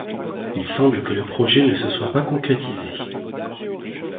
Il semble que le projet ne se soit pas concrétisé.